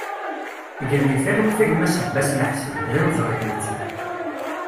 Gen di talwit a gma Sebbas Laḥsen, d awezɣi ad k-nettu!